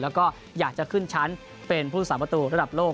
แล้วก็อยากจะขึ้นชั้นเป็นผู้สาประตูระดับโลก